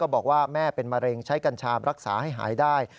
บอกว่าแม่เป็นมะเร็งใช้กัญชารักษาให้หายได้